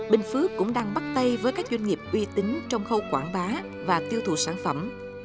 bình phước cũng đang bắt tay với các doanh nghiệp uy tín trong khâu quảng bá và tiêu thụ sản phẩm